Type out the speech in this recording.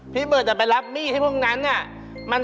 พี่เบิร์ดจะไปรับหนี้ให้พวกนั้น